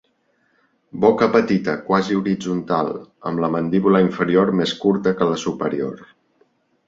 Boca petita, quasi horitzontal, amb la mandíbula inferior més curta que la superior.